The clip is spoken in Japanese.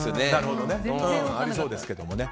ありそうですね。